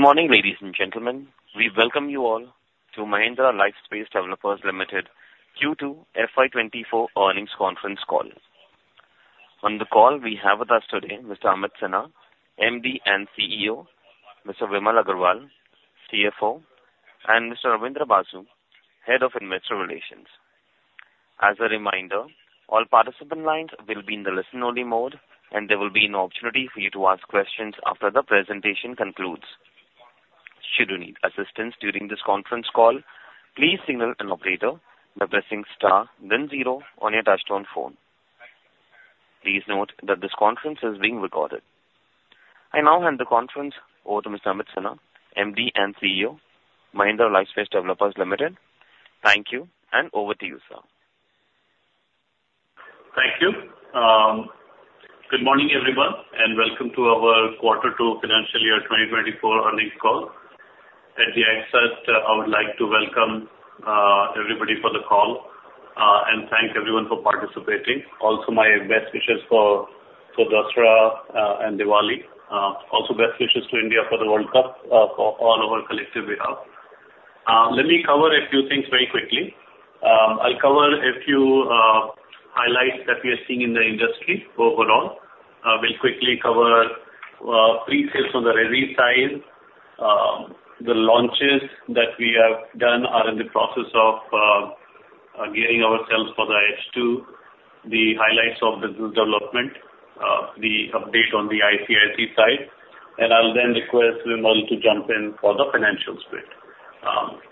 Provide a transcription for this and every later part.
Good morning, ladies and gentlemen. We welcome you all to Mahindra Lifespace Developers Limited Q2 FY 2024 Earnings Conference Call. On the call, we have with us today Mr. Amit Sinha, MD and CEO, Mr. Vimal Agarwal, CFO, and Mr. Rabindra Basu, Head of Investor Relations. As a reminder, all participant lines will be in the listen-only mode, and there will be an opportunity for you to ask questions after the presentation concludes. Should you need assistance during this conference call, please signal an operator by pressing star then zero on your touchtone phone. Please note that this conference is being recorded. I now hand the conference over to Mr. Amit Sinha, MD and CEO, Mahindra Lifespace Developers Limited. Thank you, and over to you, sir. Thank you. Good morning, everyone, and welcome to our Q2 Financial Year 2024 Earnings Call. At the outset, I would like to welcome everybody for the call, and thank everyone for participating. Also, my best wishes for Dussehra and Diwali. Also, best wishes to India for the World Cup for all our collective behalf. Let me cover a few things very quickly. I'll cover a few highlights that we are seeing in the industry overall. We'll quickly cover pre-sales on the resi side. The launches that we have done are in the process of gearing ourselves for the H2, the highlights of the group development, the update on the IC&IC side, and I'll then request Vimal to jump in for the financials.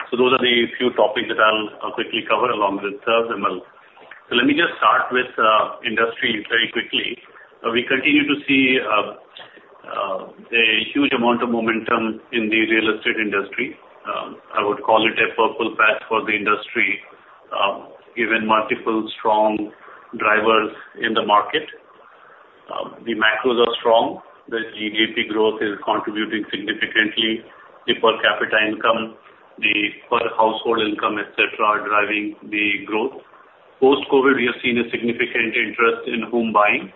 So those are the few topics that I'll quickly cover, along with Sir Vimal. So let me just start with industry very quickly. We continue to see a huge amount of momentum in the real estate industry. I would call it a purple patch for the industry, given multiple strong drivers in the market. The macros are strong. The GDP growth is contributing significantly. The per capita income, the per household income, et cetera, are driving the growth. Post-COVID, we have seen a significant interest in home buying,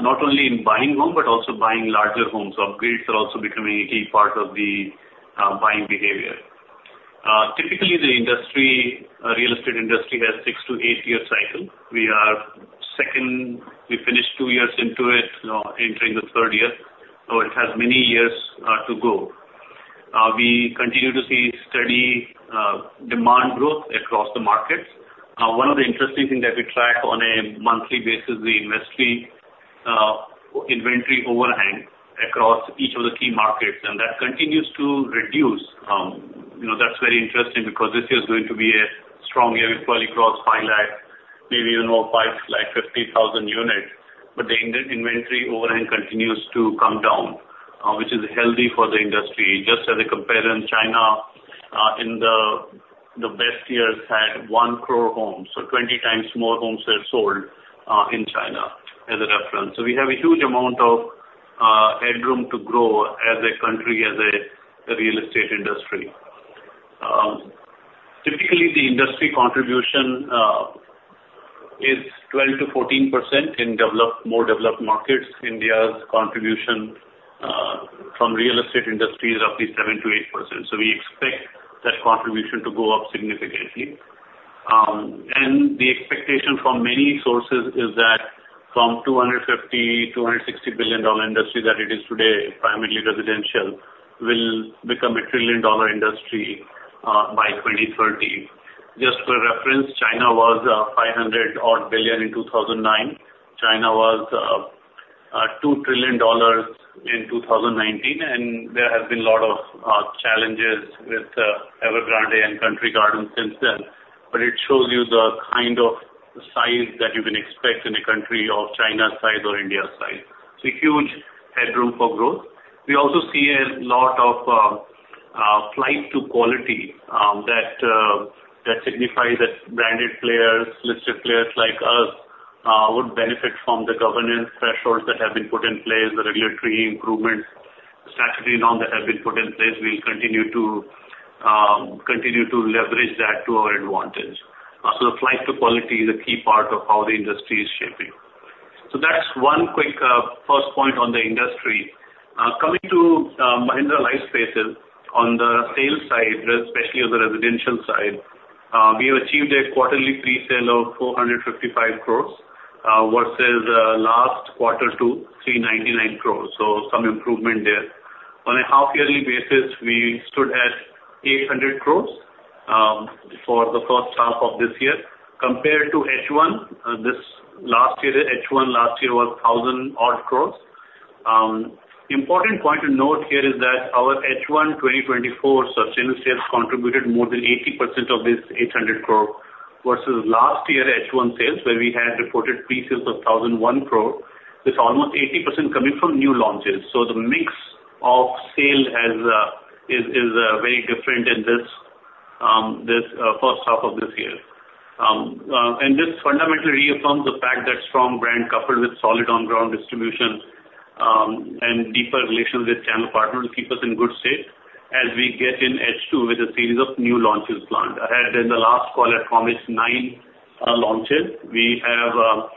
not only in buying home, but also buying larger homes upgrades are also becoming a key part of the buying behavior. Typically, the industry, real estate industry, has a six to eight year cycle. We are second. We finished two years into it, now entering the third year, so it has many years to go. We continue to see steady demand growth across the markets. One of the interesting things that we track on a monthly basis, the industry Inventory Overhang across each of the key markets, and that continues to reduce. You know, that's very interesting because this year is going to be a strong year. We probably cross 550,000 units, but the inventory overhang continues to come down, which is healthy for the industry. Just as a comparison, China, in the best years, had one crore homes, so 20× more homes are sold in China, as a reference. So we have a huge amount of headroom to grow as a country, as a real estate industry. Typically, the industry contribution is 12%-14% in developed, more developed markets. India's contribution from real estate industry is roughly 7%-8%, so we expect that contribution to go up significantly. And the expectation from many sources is that from $250-$260 billion industry that it is today, primarily residential, will become a $1 trillion industry by 2030. Just for reference, China was $500 billion in 2009. China was $2 trillion in 2019, and there have been a lot of challenges with Evergrande and Country Garden since then. But it shows you the kind of size that you can expect in a country of China's size or India's size. So a huge headroom for growth. We also see a lot of flight to quality, that that signify that branded players, listed players like us would benefit from the governance thresholds that have been put in place, the regulatory improvements, statutory norms that have been put in place. We'll continue to continue to leverage that to our advantage. So the flight to quality is a key part of how the industry is shaping. So that's one quick first point on the industry. Coming to Mahindra Lifespace, on the sales side, especially on the residential side, we have achieved a quarterly pre-sale of 455 crore versus last quarter to 399 crore, so some improvement there. On a half-yearly basis, we stood at 800 crore for the first half of this year. Compared to H1 this last year, H1 last year was 1,000-odd crore. Important point to note here is that our H1 2024 sustainable sales contributed more than 80% of this 800 crore, versus last year H1 sales, where we had reported pre-sales of 1,001 crore, with almost 80% coming from new launches. So the mix of sales is very different in this first half of this year. And this fundamentally reaffirms the fact that strong brand, coupled with solid on-ground distribution, and deeper relations with channel partners, keep us in good shape as we get in H2 with a series of new launches planned. I had, in the last call, I promised nine launches. We have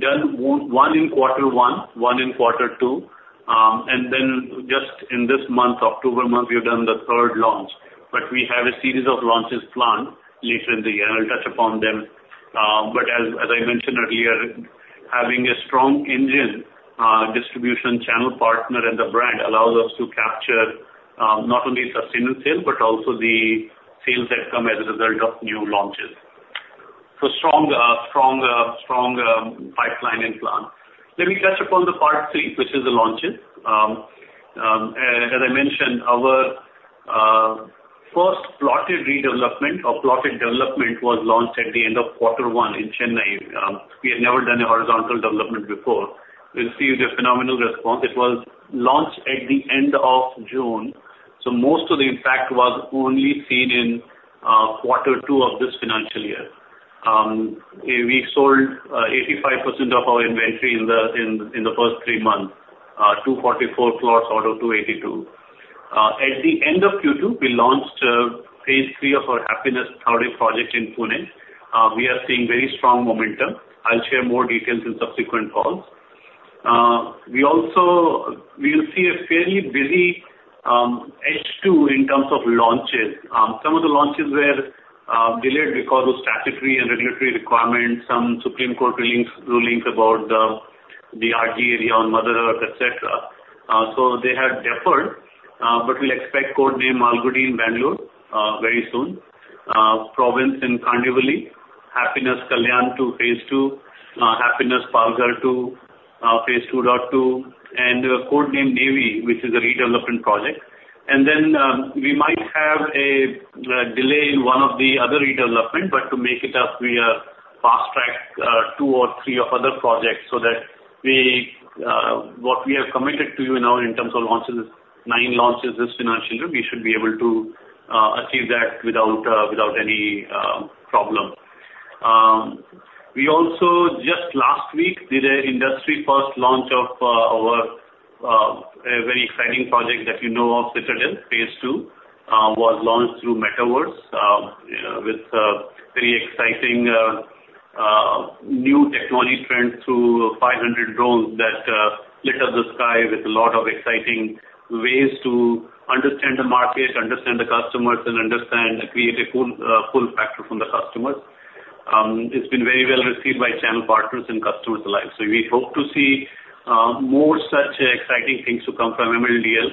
done one, one in quarter one, one in quarter two, and then just in this month, October month, we have done the third launch. But we have a series of launches planned later in the year, and I'll touch upon them. But as, as I mentioned earlier, having a strong engine, distribution channel partner and the brand allows us to capture, not only sustained sales, but also the sales that come as a result of new launches. So strong, strong, strong, pipeline in plan. Let me touch upon the part three, which is the launches. As I mentioned, our first plotted redevelopment or plotted development was launched at the end of quarter one in Chennai. We had never done a horizontal development before. We've received a phenomenal response. It was launched at the end of June, so most of the impact was only seen in quarter two of this financial year. We sold 85% of our inventory in the first three months, 244 plots out of 282. At the end of Q2, we launched phase III of our Happinest Tathawade project in Pune. We are seeing very strong momentum. I'll share more details in subsequent calls. We also will see a fairly busy H2 in terms of launches. Some of the launches were delayed because of statutory and regulatory requirements, some Supreme Court rulings, rulings about the RG area on Mother Earth, et cetera. So they have deferred, but we'll expect Codename Malgudi in Bangalore very soon. Project in Kandivali, Happinest Kalyan 2 phase II, Happinest Palghar 2 phase II-B, and Codename Navy, which is a redevelopment project. And then, we might have a delay in one of the other redevelopment, but to make it up, we fast-tracked two or three of other projects so that we what we have committed to you now in terms of launches, nine launches this financial year, we should be able to achieve that without any problem. We also just last week did an industry first launch of our a very exciting project that you know of, Citadel phase II, was launched through Metaverse, with very exciting new technology trend through 500 drones that lit up the sky with a lot of exciting ways to understand the market, understand the customers, and understand create a pull factor from the customers. It's been very well received by channel partners and customers alike. So we hope to see more such exciting things to come from MLDL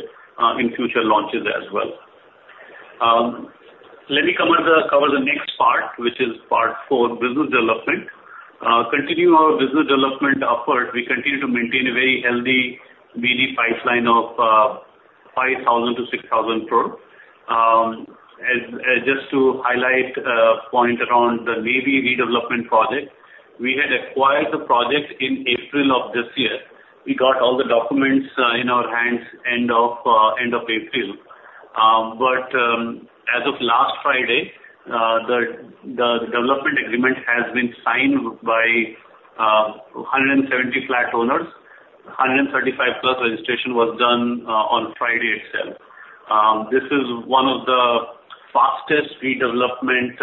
in future launches as well. Let me come on to cover the next part, which is part four, business development. Continuing our business development effort, we continue to maintain a very healthy BD pipeline of 5,000 crore-6,000 crore. Just to highlight a point around the Navy redevelopment project, we had acquired the project in April of this year. We got all the documents in our hands end of end of April. But as of last Friday, the development agreement has been signed by 170 flat owners. 135+ registration was done on Friday itself. This is one of the fastest redevelopment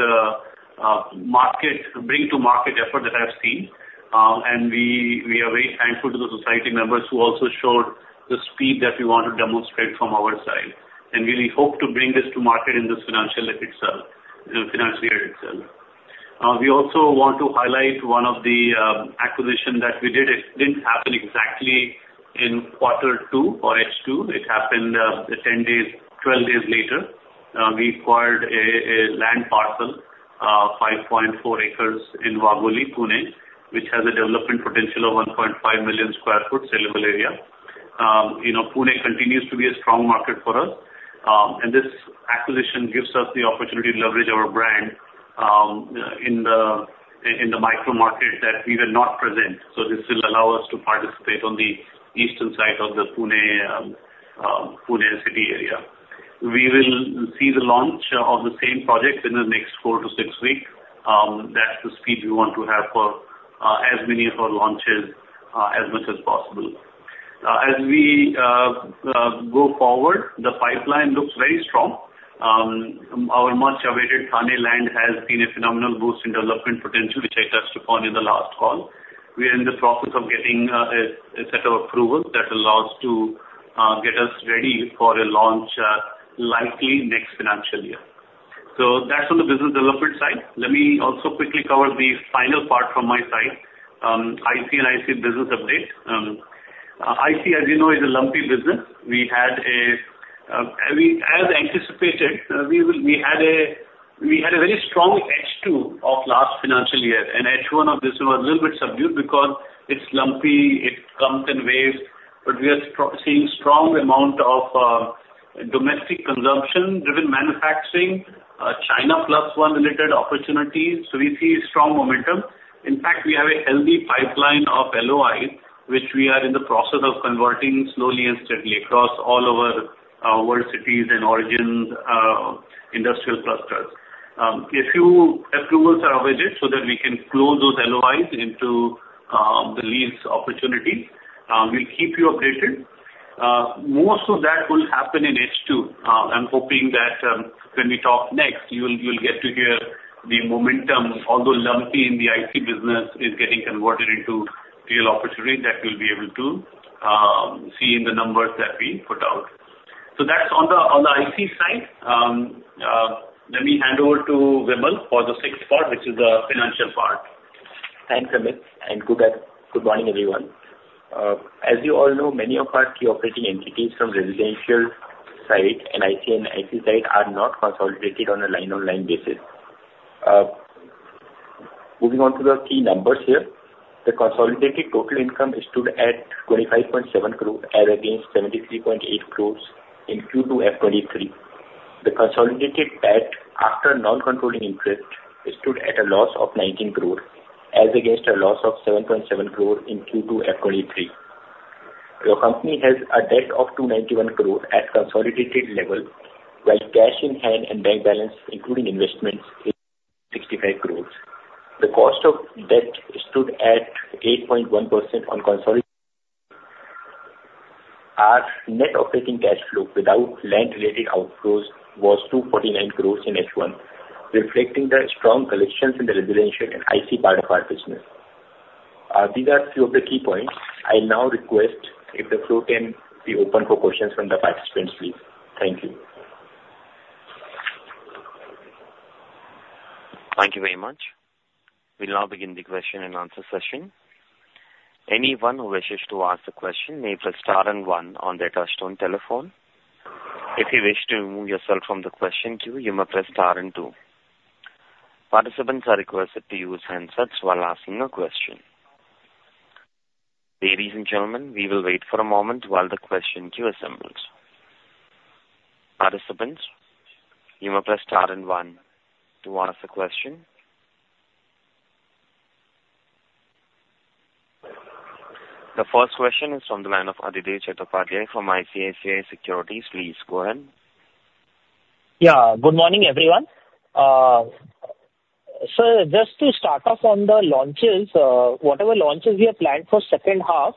market bring to market effort that I've seen. And we are very thankful to the society members who also showed the speed that we want to demonstrate from our side. And we hope to bring this to market in this financial year itself, financial year itself. We also want to highlight one of the acquisition that we did. It didn't happen exactly in quarter two or H2. It happened 10 days, 12 days later. We acquired a land parcel 5.4 acres in Wagholi, Pune, which has a development potential of 1.5 million sq ft saleable area. You know, Pune continues to be a strong market for us, and this acquisition gives us the opportunity to leverage our brand in the micro market that we were not present. So this will allow us to participate on the eastern side of the Pune city area. We will see the launch of the same project in the next four to six weeks. That's the speed we want to have for as many of our launches as much as possible. As we go forward, the pipeline looks very strong. Our much-awaited Thane land has seen a phenomenal boost in development potential, which I touched upon in the last call. We are in the process of getting a set of approvals that allows to get us ready for a launch, likely next financial year. So that's on the business development side. Let me also quickly cover the final part from my side, IC&IC business update. IC, as you know, is a lumpy business. As anticipated, we had a very strong H2 of last financial year, and H1 of this was a little bit subdued because it's lumpy, it comes in waves, but we are seeing strong amount of domestic consumption driven manufacturing, China Plus One related opportunities, so we see strong momentum. In fact, we have a healthy pipeline of LOI, which we are in the process of converting slowly and steadily across all our world cities and origins industrial clusters. A few approvals are awaited so that we can close those LOIs into the lease opportunities. We'll keep you updated. Most of that will happen in H2. I'm hoping that, when we talk next, you will get to hear the momentum, although lumpy in the IT business, is getting converted into real opportunity that we'll be able to see in the numbers that we put out. So that's on the IT side. Let me hand over to Vimal for the sixth part, which is the financial part. Thanks, Amit, and good morning, everyone. As you all know, many of our key operating entities from residential side and IC&IC side are not consolidated on a line-by-line basis. Moving on to the key numbers here. The consolidated total income stood at 25.7 crore as against 73.8 crore in Q2 FY 2023. The consolidated PAT, after non-controlling interest, stood at a loss of 19 crore, as against a loss of 7.7 crore in Q2 FY 2023. The company has a debt of 291 crore at consolidated level, while cash in hand and bank balance, including investments, is 65 crore. The cost of debt stood at 8.1% on consolidated. Our net operating cash flow without land-related outflows was 249 crore in H1, reflecting the strong collections in the residential and IT part of our business. These are few of the key points. I now request if the floor can be open for questions from the participants, please. Thank you. Thank you very much. We'll now begin the question-and-answer session. Anyone who wishes to ask a question may press star and one on their touchtone telephone. If you wish to remove yourself from the question queue, you may press star and two. Participants are requested to use handsets while asking a question. Ladies and gentlemen, we will wait for a moment while the question queue assembles. Participants, you may press star and one to ask a question. The first question is from the line of Adhidev Chattopadhyay from ICICI Securities. Please go ahead. Yeah. Good morning, everyone. So just to start off on the launches, whatever launches you have planned for second half,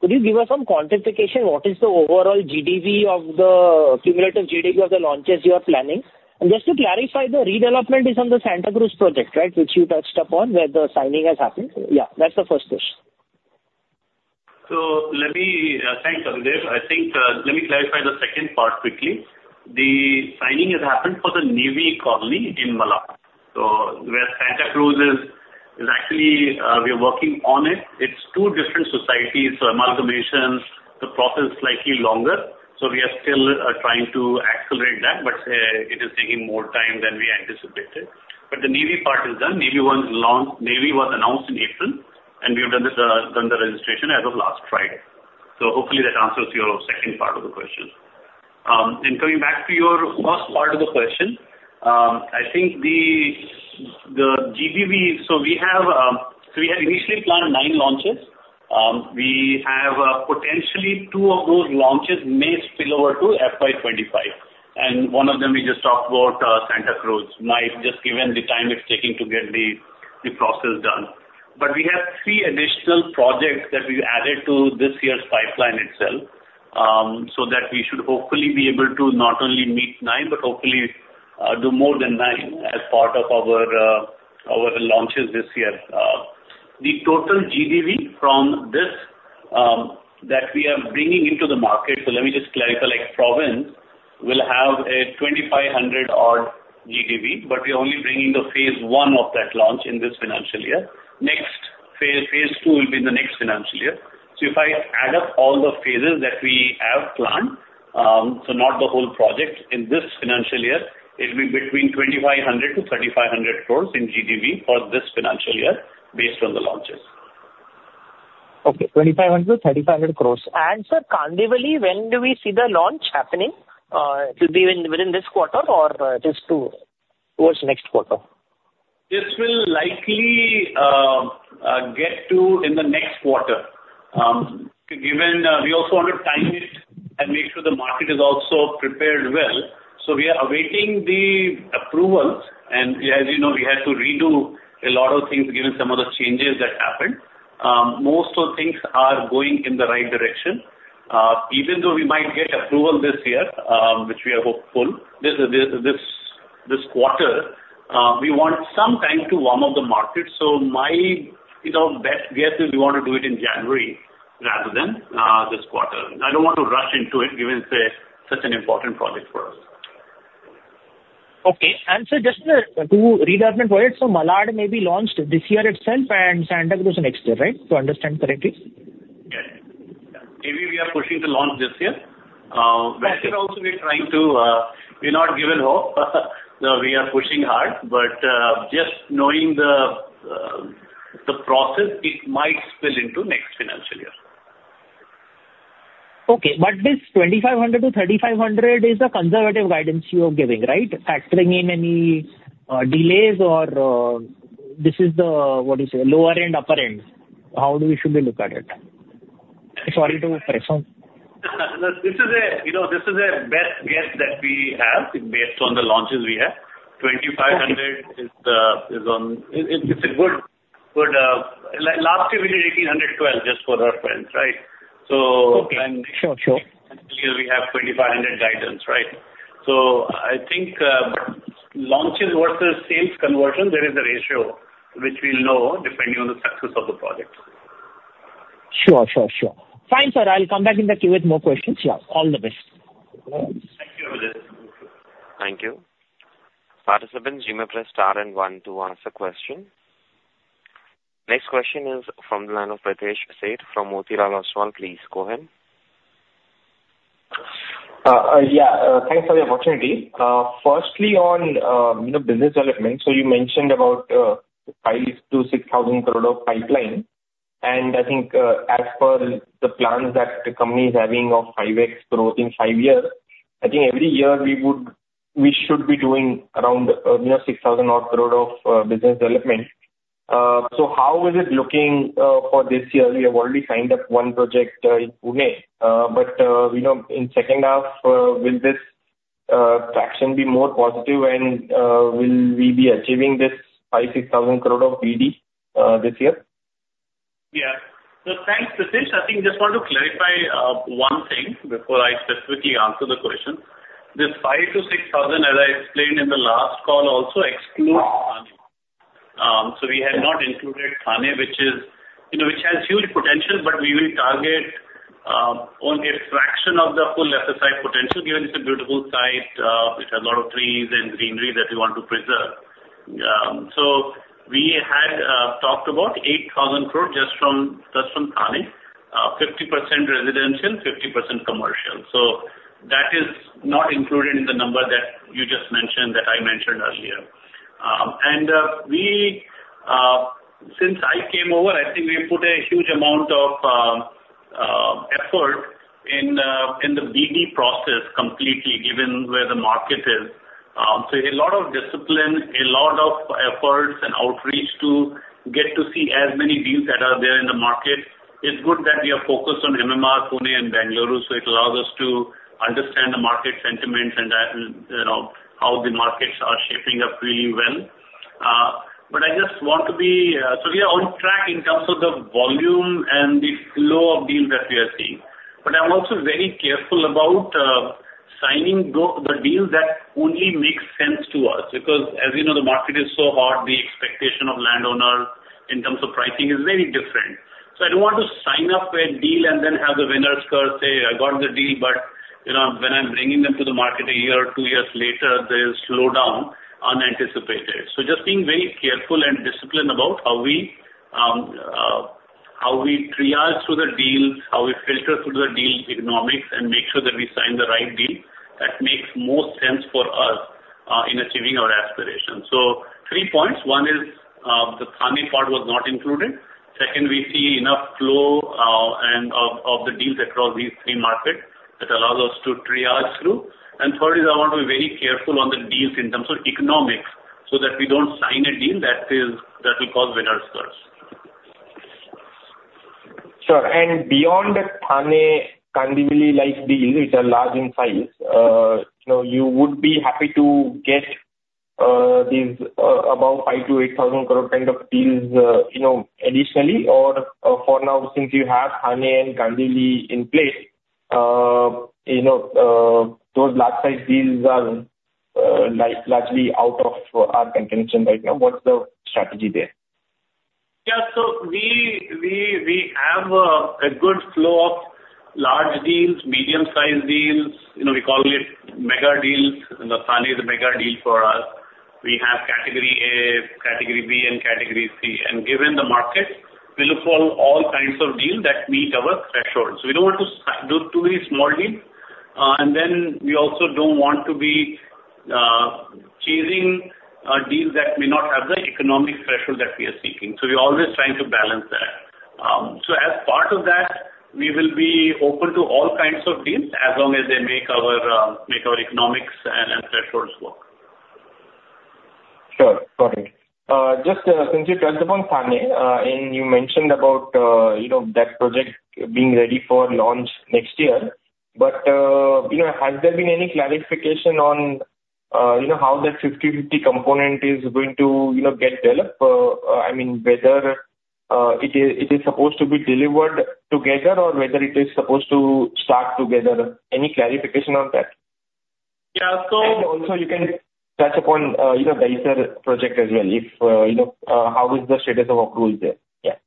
could you give us some quantification, what is the overall GDV of the, cumulative GDV of the launches you are planning? And just to clarify, the redevelopment is on the Santacruz project, right? Which you touched upon, where the signing has happened. Yeah, that's the first question. So let me thanks, Adhidev. I think, let me clarify the second part quickly. The signing has happened for the Navy colony in Malad. So where Santacruz is, is actually, we are working on it. It's two different societies, so amalgamations, the process is slightly longer, so we are still, trying to accelerate that, but, it is taking more time than we anticipated. But the Navy part is done. Navy was announced in April, and we have done the registration as of last Friday. So hopefully that answers your second part of the question. And coming back to your first part of the question, I think the, the GDV, so we have, so we had initially planned nine launches. We have potentially two of those launches may spill over to FY 2025, and one of them we just talked about, Santacruz. Nine, just given the time it's taking to get the process done. But we have three additional projects that we added to this year's pipeline itself, so that we should hopefully be able to not only meet nine, but hopefully, do more than nine as part of our launches this year. The total GDV from this that we are bringing into the market, so let me just clarify, like, the project will have a 2,500 crore odd GDV, but we're only bringing the phase I of that launch in this financial year. Next, phase II will be in the next financial year. If I add up all the phases that we have planned, so not the whole project, in this financial year, it'll be between 2,500 crore-3,500 crore in GDV for this financial year based on the launches. Okay, 2,500 crore-3,500 crore. Sir, Kandivali, when do we see the launch happening? It will be within this quarter or just towards next quarter? This will likely get to in the next quarter. Given we also want to time it and make sure the market is also prepared well. So we are awaiting the approvals, and as you know, we had to redo a lot of things given some of the changes that happened. Most of things are going in the right direction. Even though we might get approval this year, which we are hopeful, this quarter, we want some time to warm up the market. So my, you know, best guess is we want to do it in January rather than this quarter. I don't want to rush into it, given it's such an important project for us. Okay. And sir, just to redevelopment projects, so Malad may be launched this year itself and Santacruz next year, right? To understand correctly. Yes. Maybe we are pushing the launch this year. But also we're trying to, we're not giving up. We are pushing hard, but just knowing the, the process, it might spill into next financial year. Okay, but this 2,500 crore-3,500 crore is a conservative guidance you are giving, right? Factoring in any delays or this is the, what you say, lower end, upper end? How should we look at it? Sorry to press on. This is a, you know, this is a best guess that we have based on the launches we have. Okay. INR 2,500 crore is, it's a good. But last year we did 1,812 crore, just for our friends, right? So. Okay. Sure, sure. Here we have 2,500 crore guidance, right? So I think, launches versus sales conversion, there is a ratio which we'll know depending on the success of the project. Sure, sure, sure. Fine, sir, I'll come back in the queue with more questions. Yeah. All the best. Thank you. Thank you. Participants, you may press star and one to ask a question. Next question is from the line of Pritesh Sheth from Motilal Oswal. Please go ahead. Yeah, thanks for the opportunity. Firstly, on the business development, so you mentioned about 5,000 crore-6,000 crore of pipeline, and I think, as per the plans that the company is having of 5x growth in five years, I think every year we would, we should be doing around, you know, 6,000 crore of business development. So how is it looking for this year? We have already signed up one project in Pune, but, you know, in second half, will this traction be more positive and will we be achieving this 5,000 crore-6,000 crore of BD this year? Yeah. So thanks, Pritesh. I think just want to clarify one thing before I specifically answer the question. This 5,000 crore-6,000 crore, as I explained in the last call also, excludes Thane. So we had not included Thane, which is, you know, which has huge potential, but we will target only a fraction of the full FSI potential, given it's a beautiful site, which has a lot of trees and greenery that we want to preserve. So we had talked about 8,000 crore just from, just from Thane, 50% residential, 50% commercial. So that is not included in the number that you just mentioned, that I mentioned earlier. We, since I came over, I think we put a huge amount of effort in the BD process completely, given where the market is. So a lot of discipline, a lot of efforts and outreach to get to see as many deals that are there in the market. It's good that we are focused on MMR, Pune and Bengaluru, so it allows us to understand the market sentiments and that, you know, how the markets are shaping up really well. But I just want to be, so we are on track in terms of the volume and the flow of deals that we are seeing. But I'm also very careful about signing the deals that only make sense to us, because as we know, the market is so hot, the expectation of landowners in terms of pricing is very different. So I don't want to sign up a deal and then have the winner's curse, say, I got the deal, but, you know, when I'm bringing them to the market a year or two years later, there's slowdown unanticipated. So just being very careful and disciplined about how we triage through the deals, how we filter through the deal economics, and make sure that we sign the right deal that makes more sense for us in achieving our aspirations. So three points. One is, the Thane part was not included. Second, we see enough flow and of the deals across these three markets that allows us to triage through. And third is, I want to be very careful on the deals in terms of economics, so that we don't sign a deal that will cause winner's curse. Sure. And beyond the Thane, Kandivali-like deals, which are large in size, you know, you would be happy to get these above 5,000 crore-8,000 crore kind of deals, you know, additionally, or for now, since you have Thane and Kandivali in place, you know, those large size deals are largely out of our contention right now. What's the strategy there? Yeah. So we have a good flow of large deals, medium-sized deals, you know, we call it mega deals, and Thane is a mega deal for us. We have category A, category B, and category C, and given the market, we look for all kinds of deals that meet our thresholds. We don't want to do too many small deals, and then we also don't want to be chasing deals that may not have the economic threshold that we are seeking. So we're always trying to balance that. So as part of that, we will be open to all kinds of deals as long as they make our economics and thresholds work. Sure. Got it. Just, since you touched upon Thane, and you mentioned about, you know, that project being ready for launch next year, but, you know, has there been any clarification on, you know, how that 50/50 component is going to, you know, get developed? I mean, whether, it is, it is supposed to be delivered together or whether it is supposed to start together. Any clarification on that? Yeah. So. And also, you can touch upon, you know, the other project as well, if, you know, how is the status of approvals there? Yeah.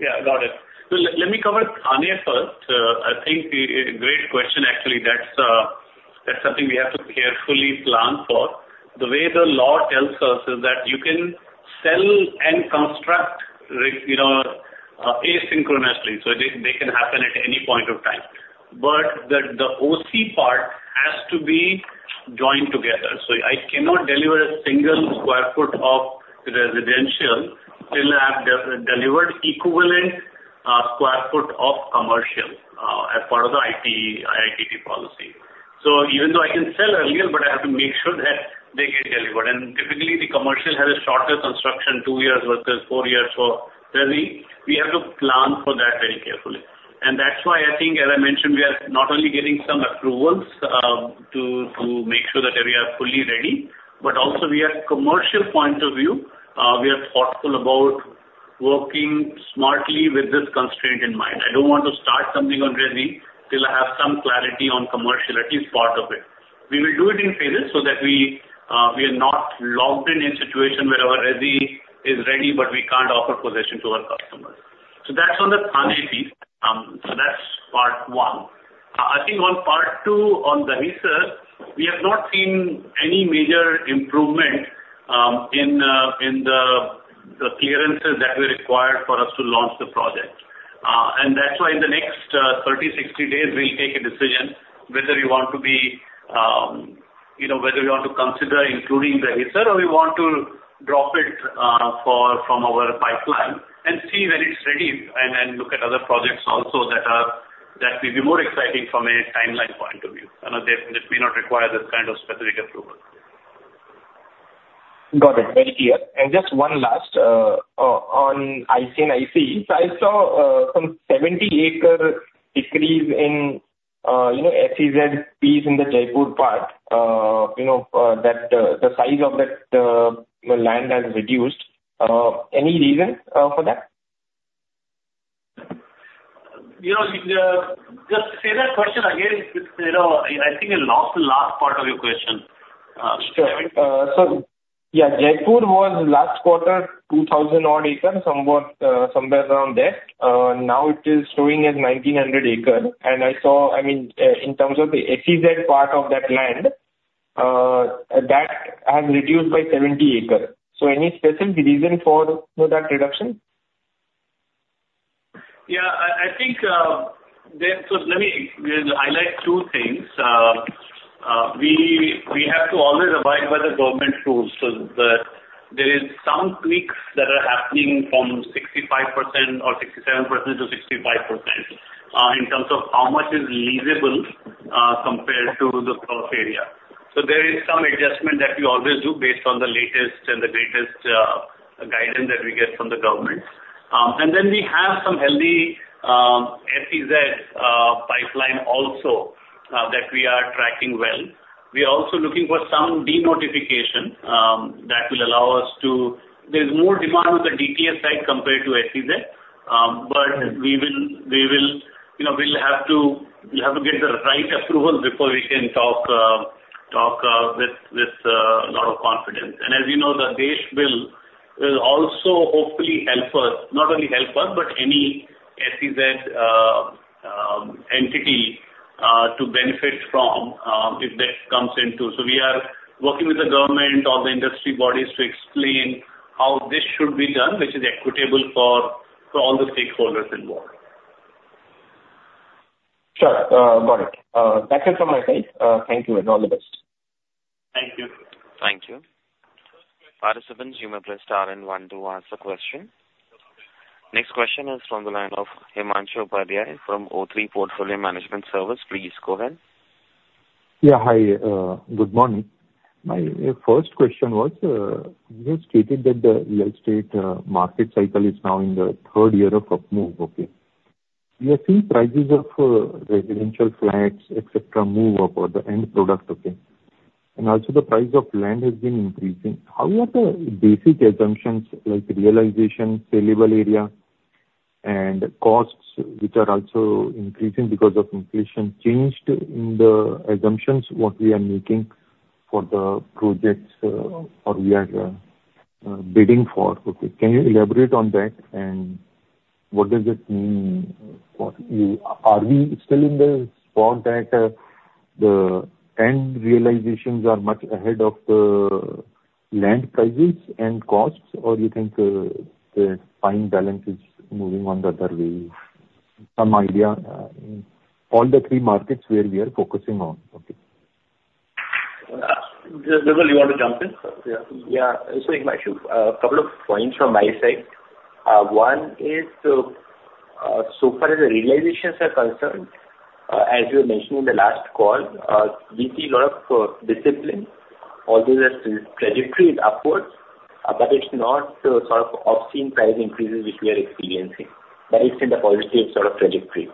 Yeah, got it. So let me cover Thane first. I think a great question, actually. That's something we have to carefully plan for. The way the law tells us is that you can sell and construct, you know, asynchronously, so they can happen at any point of time. But the OC part has to be joined together. So I cannot deliver a single square foot of residential till I have delivered equivalent square foot of commercial as part of the IT/ITES policy. So even though I can sell earlier, but I have to make sure that they get delivered, and typically the commercial has a shorter construction, two years versus four years, so residential, we have to plan for that very carefully. That's why I think, as I mentioned, we are not only getting some approvals to make sure that we are fully ready, but also we are commercial point of view, we are thoughtful about working smartly with this constraint in mind. I don't want to start something on resi till I have some clarity on commercial, at least part of it. We will do it in phases so that we are not locked in a situation where our resi is ready, but we can't offer possession to our customers. So that's on the Thane piece. So that's part one. I think on part two, on the resi, we have not seen any major improvement in the clearances that were required for us to launch the project. And that's why in the next 30, 60 days, we'll take a decision whether we want to be, you know, whether we want to consider including the research or we want to drop it from our pipeline and see when it's ready, and look at other projects also that will be more exciting from a timeline point of view, and that may not require this kind of specific approval. Got it. Very clear. Just one last on IC&IC. I saw some 70-acre decrease in, you know, SEZ piece in the Jaipur part. You know, that the size of that land has reduced. Any reason for that? You know, just say that question again, you know, I think I lost the last part of your question. Sure. So yeah, Jaipur was last quarter, 2,000-odd acres, somewhat, somewhere around there. Now it is showing as 1,900 acres, and I saw, I mean, in terms of the SEZ part of that land, that has reduced by 70 acres. So any specific reason for, you know, that reduction? Yeah, I think, there. So let me highlight two things. We have to always abide by the government rules. So there is some tweaks that are happening from 65% or 67% to 65%, in terms of how much is leasable, compared to the total area. So there is some adjustment that we always do based on the latest and the greatest, guidance that we get from the government. And then we have some healthy, SEZ, pipeline also, that we are tracking well. We are also looking for some de-notification, that will allow us to, there's more demand on the DTA side compared to SEZ. But we will, you know, we'll have to get the right approval before we can talk with a lot of confidence. And as you know, the DESH Bill will also hopefully help us, not only help us, but any SEZ entity to benefit from if DESH comes into. So we are working with the government or the industry bodies to explain how this should be done, which is equitable for all the stakeholders involved. Sure, got it. That's it from my side. Thank you, and all the best. Thank you. Thank you. Participants, you may press star and one to ask a question. Next question is from the line of Himanshu Upadhyay from O3 Portfolio Management Services. Please go ahead. Yeah, hi. Good morning. My first question was, you had stated that the real estate market cycle is now in the third year of up move, okay? We are seeing prices of residential flats, et cetera, move up or the end product, okay? And also the price of land has been increasing. How are the basic assumptions, like realization, sellable area, and costs, which are also increasing because of inflation, changed in the assumptions, what we are making for the projects or we are bidding for? Okay, can you elaborate on that, and what does it mean for you? Are we still in the spot that the end realizations are much ahead of the land prices and costs, or you think the fine balance is moving on the other way? Some idea in all the three markets where we are focusing on. Okay. Vimal, you want to jump in? Yeah. Yeah. So Himanshu, a couple of points from my side. One is, so far as the realizations are concerned, as we were mentioning in the last call, we see a lot of discipline, although the trajectory is upwards, but it's not the sort of obscene price increases which we are experiencing. But it's in the positive sort of trajectory.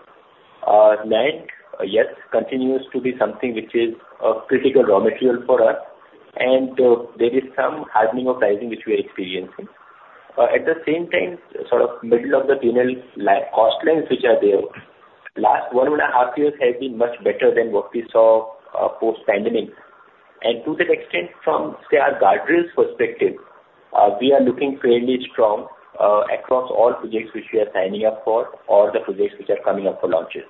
Net, yes, continues to be something which is a critical raw material for us, and there is some hardening of pricing which we are experiencing. At the same time, sort of middle of the tunnel, like, cost lengths which are there. Last one and a half years has been much better than what we saw post-pandemic. To that extent, from, say, our guardrails perspective, we are looking fairly strong, across all projects which we are signing up for, or the projects which are coming up for launches.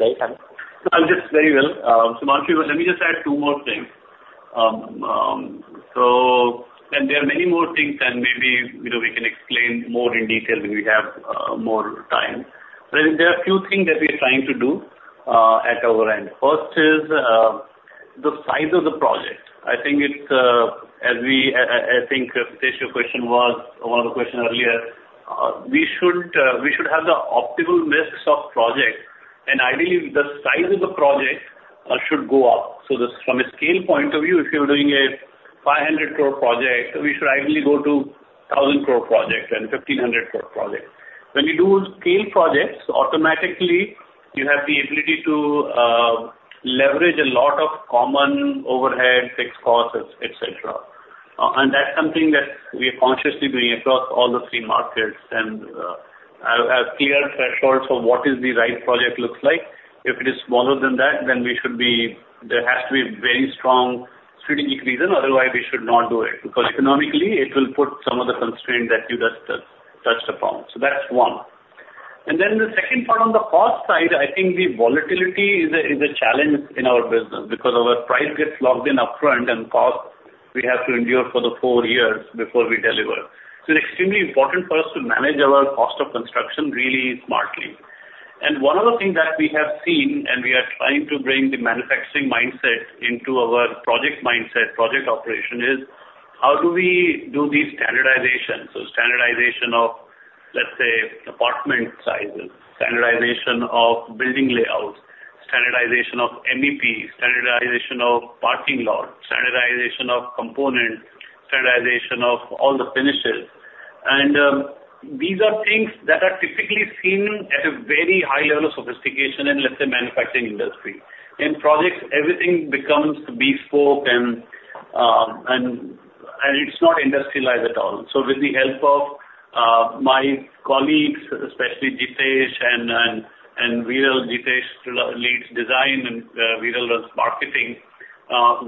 Right? I'll just very well. Himanshu, let me just add two more things. There are many more things that maybe, you know, we can explain more in detail when we have more time. But there are a few things that we are trying to do at our end. First is the size of the project. I think it's as we, I think, your question was, one of the questions earlier, we should have the optimal mix of projects and ideally, the size of the project should go up. So this, from a scale point of view, if you're doing a 500 crore project, we should ideally go to 1,000 crore project and 1,500 crore project. When you do scale projects, automatically you have the ability to leverage a lot of common overhead, fixed costs, et cetera. That's something that we are consciously doing across all the three markets. I have clear thresholds for what is the right project looks like. If it is smaller than that, then there has to be a very strong strategic reason, otherwise we should not do it, because economically it will put some of the constraints that you just touched upon. So that's one. Then the second part, on the cost side, I think the volatility is a challenge in our business because our price gets locked in upfront and costs we have to endure for the four years before we deliver. So it's extremely important for us to manage our cost of construction really smartly. One of the things that we have seen, and we are trying to bring the manufacturing mindset into our project mindset, project operation, is how do we do the standardization? So standardization of, let's say, apartment sizes, standardization of building layouts, standardization of MEP, standardization of parking lot, standardization of components, standardization of all the finishes. And, these are things that are typically seen at a very high level of sophistication in, let's say, manufacturing industry. In projects, everything becomes bespoke and it's not industrialized at all. So with the help of my colleagues, especially Jitesh and Vimal, Jitesh leads design and Viral does marketing,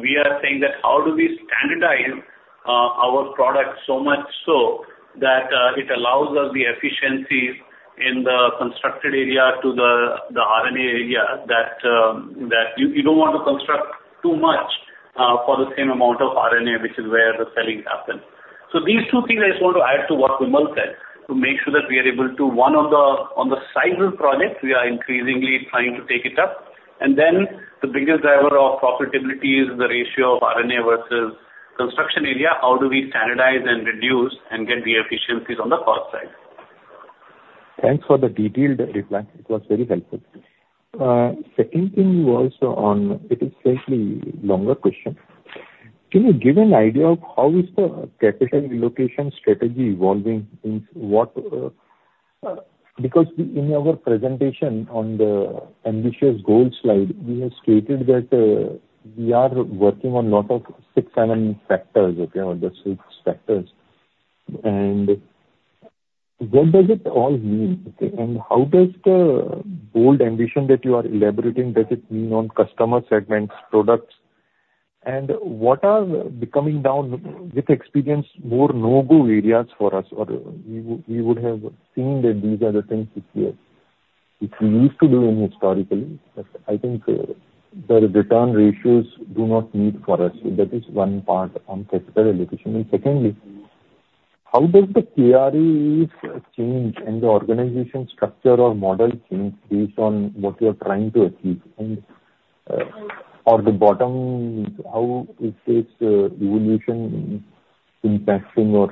we are saying that how do we standardize our products, so much so that it allows us the efficiencies in the constructed area to the RERA area, that you don't want to construct too much for the same amount of RERA, which is where the selling happens. So these two things I just want to add to what Vimal said, to make sure that we are able to, one, on the size of projects, we are increasingly trying to take it up. And then the biggest driver of profitability is the ratio of RERA versus construction area. How do we standardize and reduce and get the efficiencies on the cost side? Thanks for the detailed reply. It was very helpful. Second thing was on, it is slightly longer question. Can you give an idea of how is the capital allocation strategy evolving? In what, because in our presentation on the ambitious goal slide, we have stated that, we are working on lot of six, seven factors okay, or the six factors. And what does it all mean, okay? And how does the bold ambition that you are elaborating, does it mean on customer segments, products? And what are becoming down with experience, more no-go areas for us, or we would, we would have seen that these are the things which we, which we used to do historically, but I think, the return ratios do not meet for us. So that is one part on capital allocation. And secondly, how does the KRAs change and the organization structure or model change based on what you are trying to achieve? And, on the bottom, how is this evolution impacting or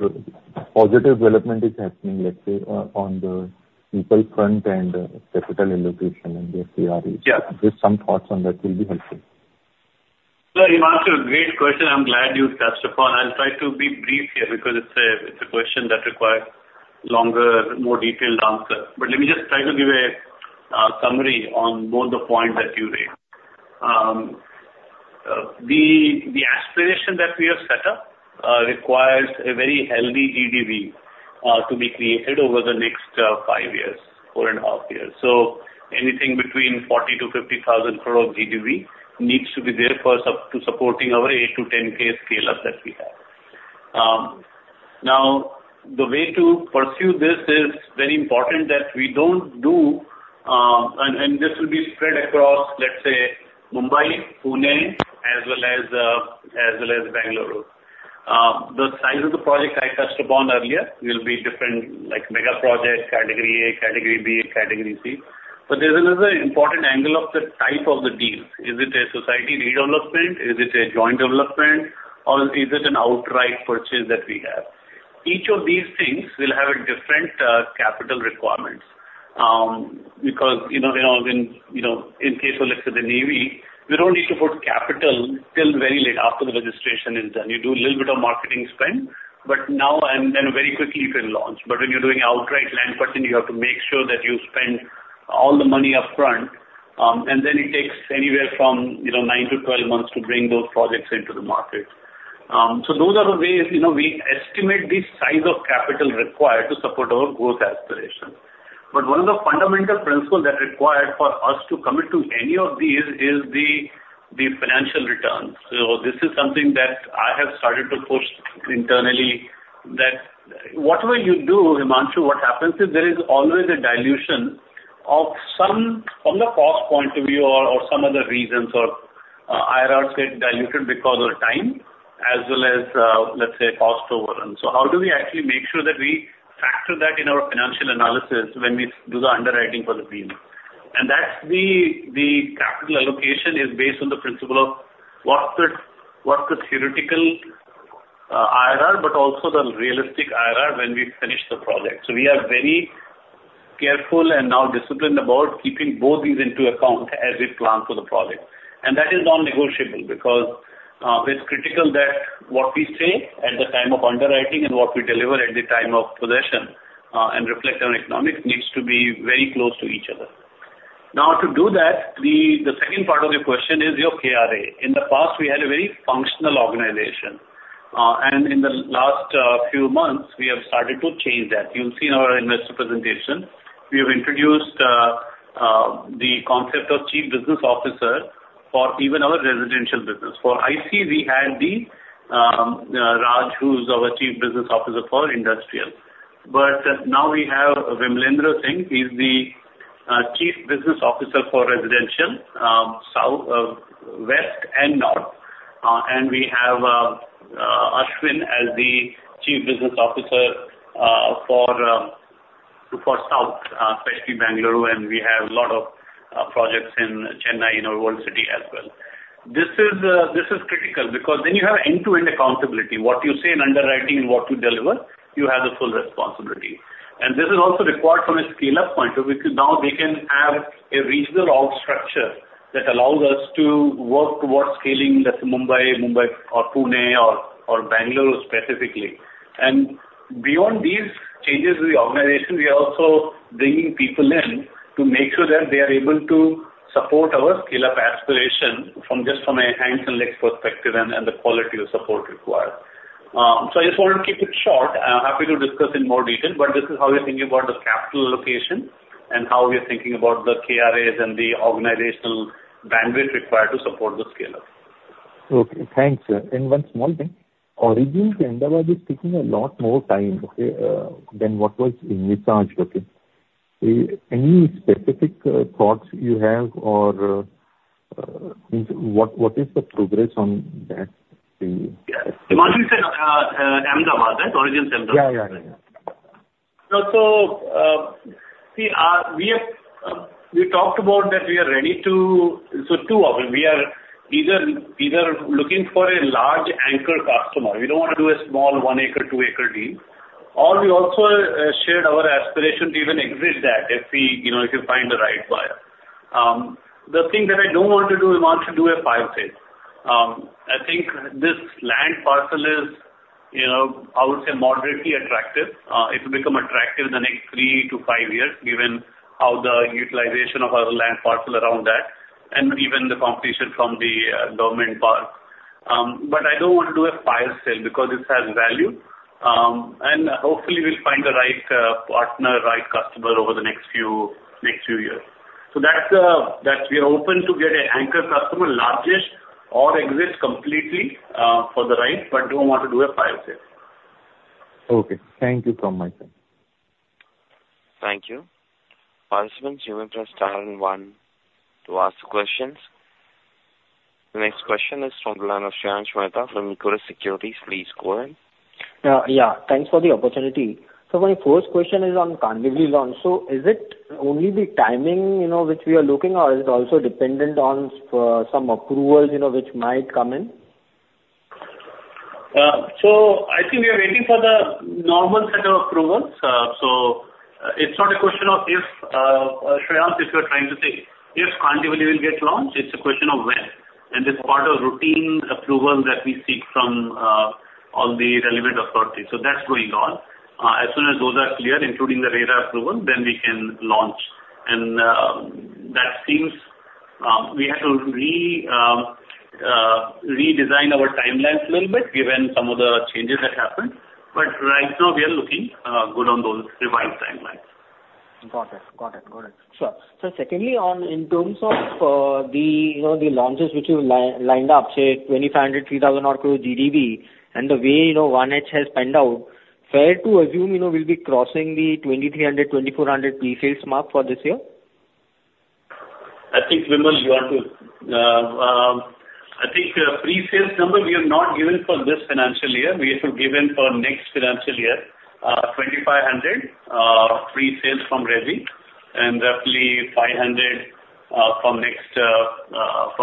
positive development is happening, let's say, on the people front and capital allocation and the KRA? Just some thoughts on that will be helpful. So Himanshu, great question. I'm glad you touched upon. I'll try to be brief here because it's a, it's a question that requires longer, more detailed answer. But let me just try to give a, summary on both the points that you raised. The, the aspiration that we have set up, requires a very healthy GDV, to be created over the next, five years, four and a half years. So anything between 40,000-50,000 crore GDV needs to be there for supporting our 8 to 10K scale-up that we have. Now, the way to pursue this is very important that we don't do. And, and this will be spread across, let's say, Mumbai, Pune, as well as, as well as Bengaluru. The size of the project I touched upon earlier will be different, like mega project, category A, category B, category C. But there's another important angle of the type of the deal. Is it a society redevelopment? Is it a joint development? Or is it an outright purchase that we have? Each of these things will have a different capital requirements. Because, you know, you know, when, you know, in case of, let's say, the Navy, we don't need to put capital till very late after the registration is done. You do a little bit of marketing spend, but now and then very quickly you can launch. But when you're doing outright land purchasing, you have to make sure that you spend all the money upfront, and then it takes anywhere from, you know, nine to 12 months to bring those projects into the market. So those are the ways, you know, we estimate the size of capital required to support our growth aspiration. But one of the fundamental principles that required for us to commit to any of these is the financial returns. So this is something that I have started to push internally, that whatever you do, Himanshu, what happens is there is always a dilution of some from the cost point of view or some other reasons, or IRRs get diluted because of time as well as, let's say, cost overrun. So how do we actually make sure that we factor that in our financial analysis when we do the underwriting for the deal? And that's the capital allocation is based on the principle of what the theoretical IRR, but also the realistic IRR when we finish the project. So we are very careful and now disciplined about keeping both these into account as we plan for the project. And that is non-negotiable, because it's critical that what we say at the time of underwriting and what we deliver at the time of possession and reflect on economics needs to be very close to each other. Now, to do that, we the second part of your question is your KRA. In the past, we had a very functional organization and in the last few months, we have started to change that. You'll see in our investor presentation, we have introduced the concept of Chief Business Officer for even our residential business. For IC, we had Raj, who's our Chief Business Officer for industrial. But now we have Vimalendra Singh, he's the Chief Business Officer for residential, south, west, and north. And we have Ashvin as the Chief Business Officer for south, especially Bengaluru, and we have a lot of projects in Chennai, in our Integrated City as well. This is critical, because then you have end-to-end accountability. What you say in underwriting and what you deliver, you have the full responsibility. And this is also required from a scale-up point of view, because now we can have a regional org structure that allows us to work towards scaling, let's say, Mumbai, Pune, or Bengaluru specifically. Beyond these changes in the organization, we are also bringing people in to make sure that they are able to support our scale-up aspiration from a hands and legs perspective and the quality of support required. So I just wanted to keep it short. I'm happy to discuss in more detail, but this is how we're thinking about the capital allocation, and how we are thinking about the KRAs and the organizational bandwidth required to support the scale-up. Okay, thanks, sir. And one small thing, Origins Ahmedabad is taking a lot more time, okay, than what was envisaged, okay? Any specific thoughts you have or what is the progress on that thing? Yeah. Ahmedabad, right? Origins Center. Yeah, yeah, yeah. We talked about that we are ready to, so two options. We are either looking for a large anchor customer. We don't want to do a small one acre, two acre deal. Or we also shared our aspiration to even exit that, if we, you know, if you find the right buyer. The thing that I don't want to do, we want to do a fire sale. I think this land parcel is, you know, I would say, moderately attractive. It will become attractive in the next htree to five years, given how the utilization of our land parcel around that, and even the competition from the government part. But I don't want to do a fire sale because this has value, and hopefully we'll find the right partner, right customer over the next few, next few years. So that's, that's we are open to get an anchor customer, largest, or exit completely, for the right, but don't want to do a fire sale. Okay. Thank you from my side. Thank you. Participants, you may press star and one to ask questions. The next question is from the line of Shreyans Mehta from Equirus Securities. Please go ahead. Yeah, thanks for the opportunity. My first question is on Kandivali launch. Is it only the timing, you know, which we are looking, or is it also dependent on some approvals, you know, which might come in? So I think we are waiting for the normal set of approvals. So it's not a question of if, Shreyansh, if you are trying to say, if Kandivali will get launched, it's a question of when, and it's part of routine approval that we seek from all the relevant authorities. So that's going on. As soon as those are clear, including the RERA approval, then we can launch. And that seems we had to redesign our timelines a little bit, given some of the changes that happened, but right now we are looking good on those revised timelines. Got it. Got it. Got it. Sure. So secondly, in terms of, you know, the launches which you've lined up, say, 2,500 crore-3,000 crore GDV, and the way, you know, Phase I has panned out, fair to assume, you know, we'll be crossing the 2,300 crore-2,400 crore pre-sales mark for this year? I think, Vimal, you want to. I think, pre-sales number we have not given for this financial year. We have given for next financial year, 2,500 crore pre-sales from Resi, and roughly 500 crore from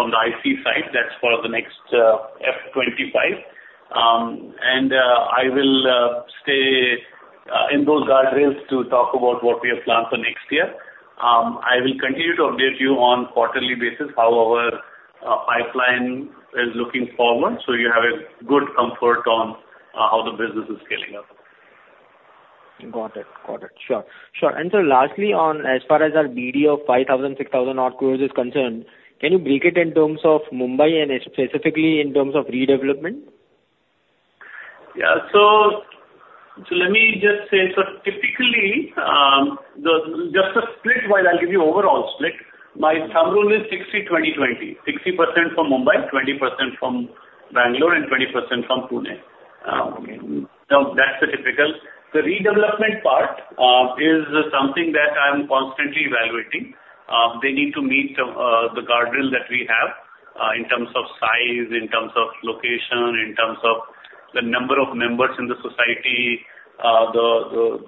the IC side. That's for the next FY 2025. I will stay in those guardrails to talk about what we have planned for next year. I will continue to update you on quarterly basis, how our pipeline is looking forward, so you have a good comfort on how the business is scaling up. Got it. Got it. Sure. Sure, and so lastly, as far as our BD of 5,000 crore- 6,000 odd crore is concerned, can you break it in terms of Mumbai and specifically in terms of redevelopment? Yeah. So let me just say, so typically, the just a split while I'll give you overall split. My thumb rule is 60, 20, 20. 60% from Mumbai, 20% from Bangalore, and 20% from Pune. Now, that's the typical. The redevelopment part is something that I'm constantly evaluating. They need to meet the guardrail that we have in terms of size, in terms of location, in terms of the number of members in the society, the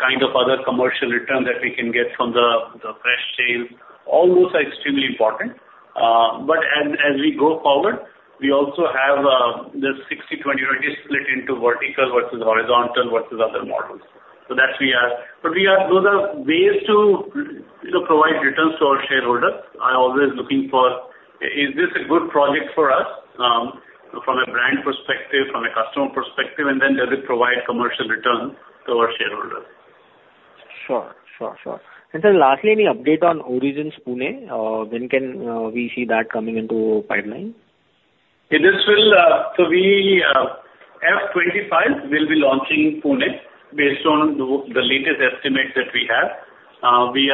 kind of other commercial return that we can get from the fresh sale. All those are extremely important. But as we go forward, we also have the 60-20 already split into vertical versus horizontal versus other models. So that we are, but we are, those are ways to, you know, provide returns to our shareholders. I'm always looking for, is this a good project for us, from a brand perspective, from a customer perspective, and then does it provide commercial return to our shareholders? Sure, sure, sure. And sir, lastly, any update on Origins Pune? When can we see that coming into pipeline? It is still so we FY 25, we'll be launching Pune based on the latest estimates that we have. We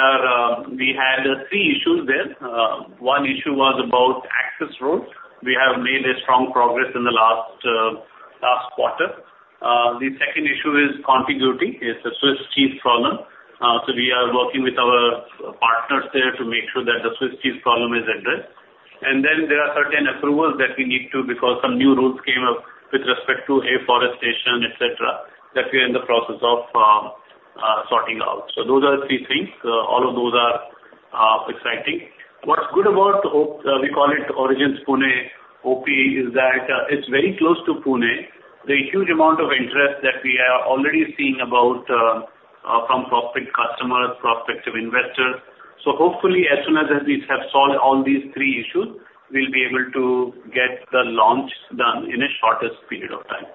had three issues there. One issue was about access roads. We have made a strong progress in the last quarter. The second issue is contiguity, it's a Swiss cheese problem. So we are working with our partners there to make sure that the Swiss cheese problem is addressed. And then there are certain approvals that we need to, because some new rules came up with respect to afforestation, et cetera, that we are in the process of sorting out. So those are three things. All of those are exciting. What's good about Origins Pune, OP, is that it's very close to Pune. The huge amount of interest that we are already seeing about, from prospective customers, prospective investors. So hopefully, as soon as we have solved all these three issues, we'll be able to get the launch done in a shortest period of time.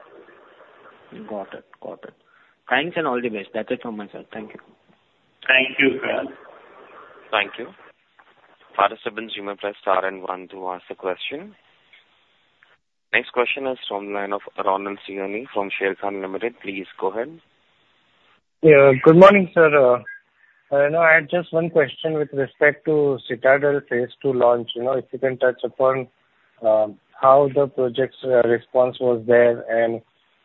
Got it. Got it. Thanks, and all the best. That's it from me, sir. Thank you. Thank you. Thank you. Participant, you may press star and one to ask the question. Next question is from the line of Ronald Siyoni from Sharekhan Limited. Please go ahead. Yeah, good morning, sir. You know, I had just one question with respect to Citadel phase II launch. You know, if you can touch upon how the project's response was there, and,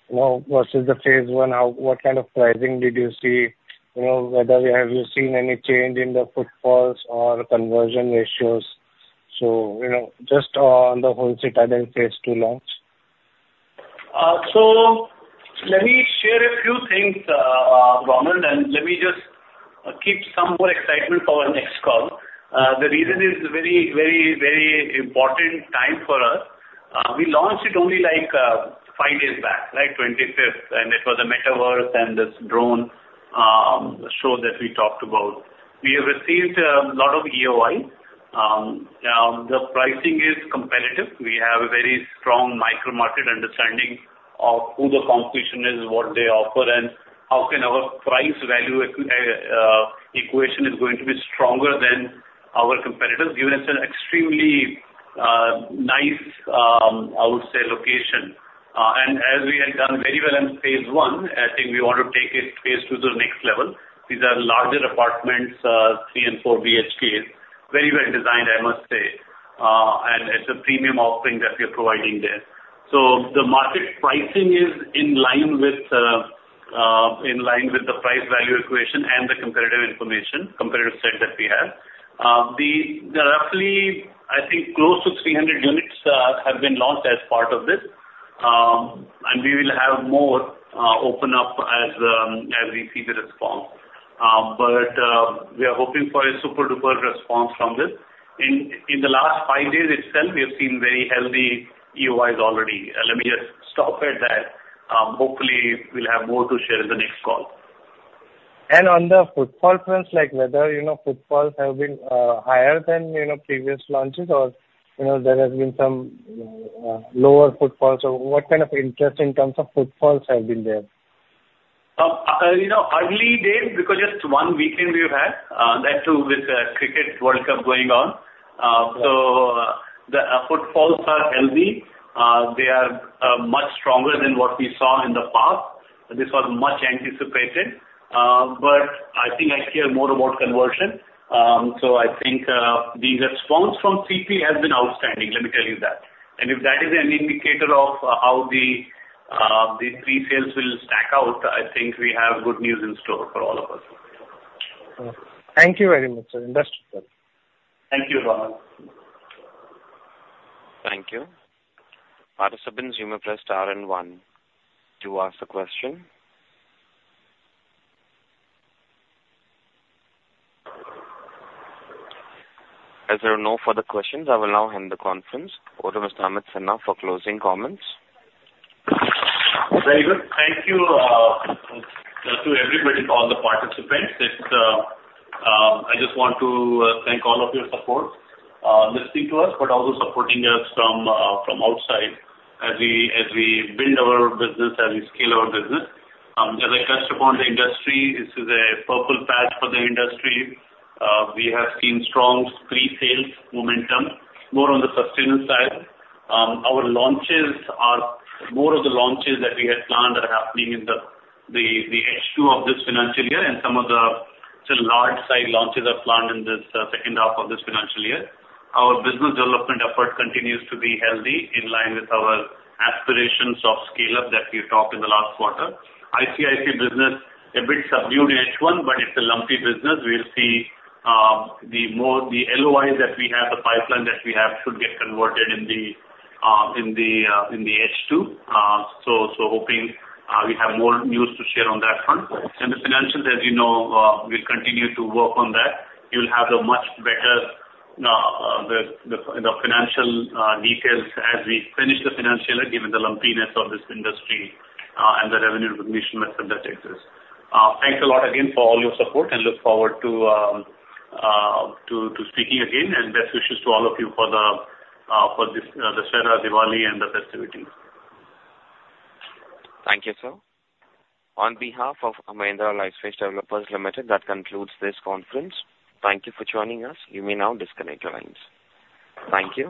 you know, versus the phase I, how, what kind of pricing did you see? You know, whether have you seen any change in the footfalls or conversion ratios? So, you know, just on the whole Citadel phase II launch. So let me share a few things, Ronald, and let me just keep some more excitement for our next call. The reason is very, very, very important time for us. We launched it only, like, five days back, like, 25th, and it was a Metaverse and this drone show that we talked about. We have received a lot of EOI. The pricing is competitive. We have a very strong micro-market understanding of who the competition is, what they offer, and how can our price value equation is going to be stronger than our competitors, given it's an extremely nice, I would say, location. And as we had done very well in phase I, I think we want to take it phase II to the next level. These are larger apartments, three and four BHKs. Very well designed, I must say, and it's a premium offering that we are providing there. So the market pricing is in line with, in line with the price value equation and the competitive information, competitive set that we have. The, there are roughly, I think, close to 300 units, have been launched as part of this. And we will have more, open up as, as we see the response. But, we are hoping for a super-duper response from this. In, in the last five days itself, we have seen very healthy EOIs already. Let me just stop at that. Hopefully, we'll have more to share in the next call. On the footfall trends, like whether, you know, footfalls have been higher than, you know, previous launches, or, you know, there has been some lower footfalls, or what kind of interest in terms of footfalls have been there? You know, early days, because just one weekend we've had, that too, with Cricket World Cup going on. So, the footfalls are healthy. They are much stronger than what we saw in the past. This was much anticipated, but I think I care more about conversion. So I think, the response from CP has been outstanding, let me tell you that. And if that is an indicator of how the pre-sales will stack out, I think we have good news in store for all of us. Thank you very much, sir. Best regards. Thank you, Ronald. Thank you. Participant, you may press star and one to ask the question. As there are no further questions, I will now end the conference. Over to Mr. Amit Sinha for closing comments. Very good. Thank you to everybody, all the participants. This is, I just want to thank all of your support, listening to us, but also supporting us from outside as we build our business, as we scale our business. As I touched upon the industry, this is a purple patch for the industry. We have seen strong pre-sales momentum, more on the sustainable side. Our launches are, more of the launches that we had planned are happening in the H2 of this financial year, and some of the still large-sized launches are planned in this second half of this financial year. Our business development effort continues to be healthy, in line with our aspirations of scale-up that we talked in the last quarter. IC business, a bit subdued in H1, but it's a lumpy business. We'll see, the more, the LOIs that we have, the pipeline that we have, should get converted in the H2. So hoping, we have more news to share on that front. And the financials, as you know, we'll continue to work on that. You'll have a much better, the financial details as we finish the financial year, given the lumpiness of this industry, and the revenue recognition method that exists. Thanks a lot again for all your support, and look forward to speaking again, and best wishes to all of you for this, the serene Diwali and the festivities. Thank you, sir. On behalf of Mahindra Lifespace Developers Limited, that concludes this conference. Thank you for joining us. You may now disconnect your lines. Thank you.